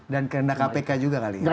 dan karena kpk juga kali ya